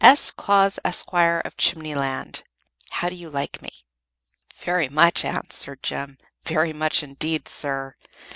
"S. Claus, Esquire, of Chimneyland. How do you like me?" "Very much," answered Jem; "very much, indeed, sir."